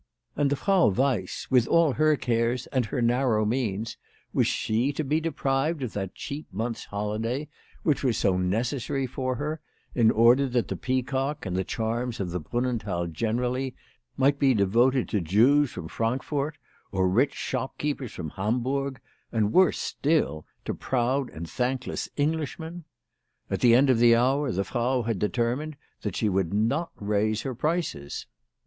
And the Frau 26 WHY FRAU FROHMANN RAISED HER PRICES. Weiss with, all her cares and her narrow means was she to be deprived of that cheap month's holiday which was so necessary for her, in order that the Peacock and the charms of the Brunnenthal generally might be devoted to Jews from Frankfort, or rich shopkeepers from Hamburg, or, worse still, to proud and thankless Englishmen ? At the end of the hour the Frau had determined that she would not raise her prices.